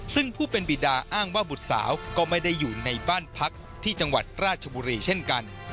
ซึ่งผู้เป็นบิดาอ้างว่าบุตรสาวก็ไม่ได้อยู่ในบ้านพักที่จังหวัดราชบุรีเช่นกัน